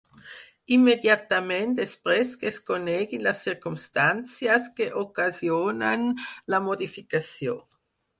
Immediatament després que es coneguin les circumstàncies que ocasionen la modificació.